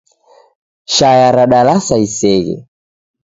Shaya radalasa iseghe.